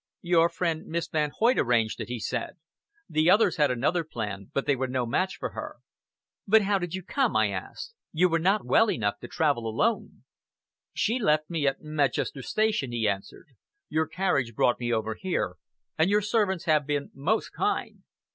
"Your friend, Miss Van Hoyt, arranged it," he said. "The others had another plan; but they were no match for her." "But how did you come?" I asked. "You were not well enough to travel alone." "She left me at Medchester station," he answered. "Your carriage brought me over here, and your servants have been most kind.